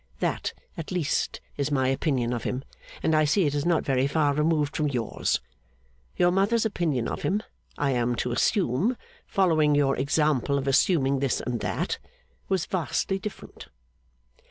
That, at least, is my opinion of him; and I see it is not very far removed from yours. Your mother's opinion of him, I am to assume (following your example of assuming this and that), was vastly different.